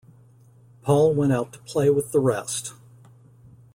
Paul went out to play with the rest.